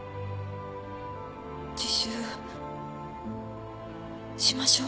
自首しましょう